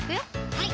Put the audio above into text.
はい